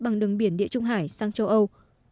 bằng đường biển địa trung hải sang châu âu